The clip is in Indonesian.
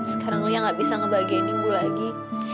sekarang liat gak bisa ngebahagiainimu lagi